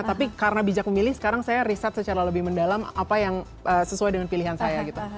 tapi karena bijak memilih sekarang saya riset secara lebih mendalam apa yang sesuai dengan pilihan saya gitu